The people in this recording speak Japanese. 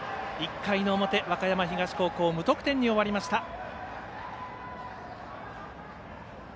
１回の表、和歌山東高校無得点に終わりました。